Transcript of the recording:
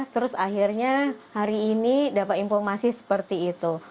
terus akhirnya hari ini dapat informasi seperti itu